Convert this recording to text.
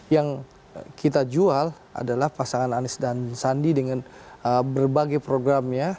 yang kita jual adalah pasangan anies dan sandi dengan berbagai program ya